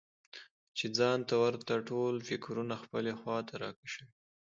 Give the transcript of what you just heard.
چې ځان ته ورته ټول فکرونه خپلې خواته راکشوي.